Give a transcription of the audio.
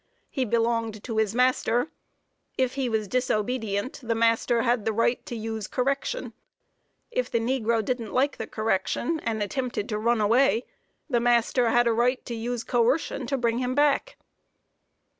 He belonged to his master. If he was disobedient, the master had the right to use correction. If the negro didn't like the correction, and attempted to run away, the master had a right to use coercion to bring him back.